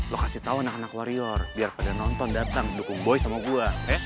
lo kasih tau anak anak warrior biar pada nonton datang dukung boy sama gue